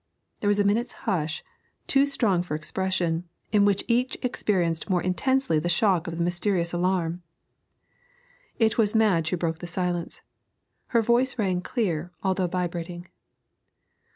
There was a minute's hush, too strong for expression, in which each experienced more intensely the shock of the mysterious alarm. It was Madge who broke the silence. Her voice rang clear, although vibrating.